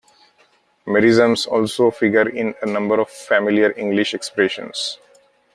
Merisms also figure in a number of familiar English expressions.